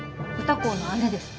歌子の姉です。